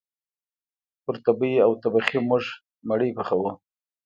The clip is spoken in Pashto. پر تبۍ او تبخي موږ مړۍ پخوو